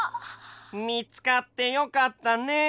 みつかってよかったね。